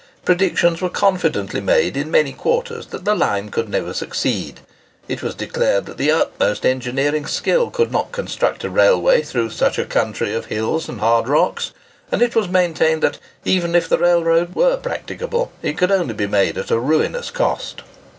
Predictions were confidently made in many quarters that the line could never succeed. It was declared that the utmost engineering skill could not construct a railway through such a country of hills and hard rocks; and it was maintained that, even if the railroad were practicable, it could only be made at a ruinous cost.